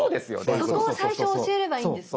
そこを最初教えればいいんですね。